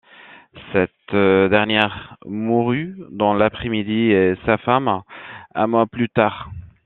Cette dernière mourut dans l'après-midi, et sa femme un mois plus tard.